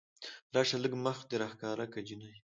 راشه لږ مخ دې راښکاره که جينۍ